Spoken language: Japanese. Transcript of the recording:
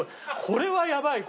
これはやばい。